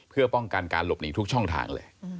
เพื่อป้องกันการหลบหนีทุกช่องทางเลย